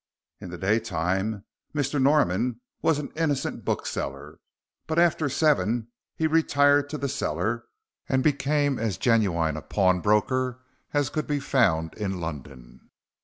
In the daytime Mr. Norman was an innocent bookseller, but after seven he retired to the cellar and became as genuine a pawnbroker as could be found in London.